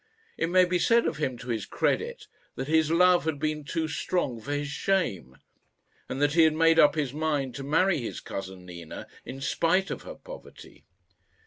It may be said of him, to his credit, that his love had been too strong for his shame, and that he had made up his mind to marry his cousin Nina in spite of her poverty.